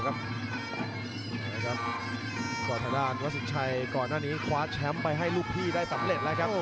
คว่าสินชัยก่อนหน้านี้คว้าแชมป์ไปให้ลูกพี่ได้แสนอเตรดแล้วครับ